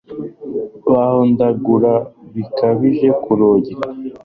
bahondagura bikabije ku rugi